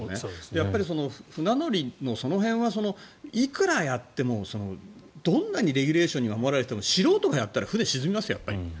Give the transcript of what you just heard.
やっぱり船乗りのその辺はいくらやってもどんなにレギュレーションに守られていても、素人がやったら沈みますよ。